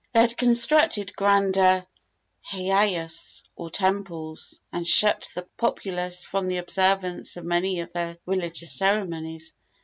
They had constructed grander heiaus, or temples, and shut the populace from the observance of many of their religious ceremonies.